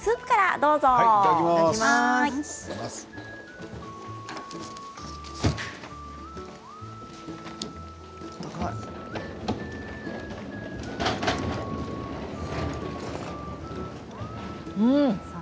うん！